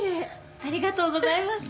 ありがとうございます。